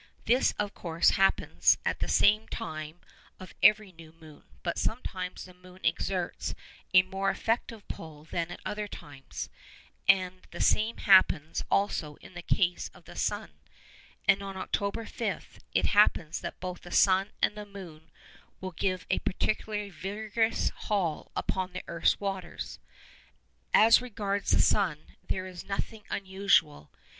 This, of course, happens at the time of every new moon, but sometimes the moon exerts a more effective pull than at other times; and the same happens also in the case of the sun; and on October 5, it happens that both the sun and the moon will give a particularly vigorous haul upon the earth's waters. As regards the sun, there is nothing unusual.